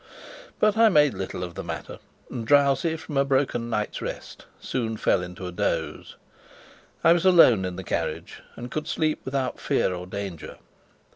But I made little of the matter, and, drowsy from a broken night's rest, soon fell into a doze. I was alone in the carriage and could sleep without fear or danger.